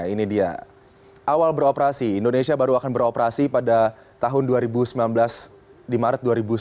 ini dia awal beroperasi indonesia baru akan beroperasi pada tahun dua ribu sembilan belas di maret dua ribu sembilan belas